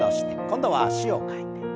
今度は脚を替えて。